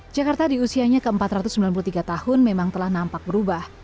jakarta di usianya ke empat ratus sembilan puluh tiga tahun memang telah nampak berubah